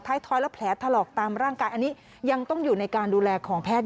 ท้อยและแผลถลอกตามร่างกายอันนี้ยังต้องอยู่ในการดูแลของแพทย์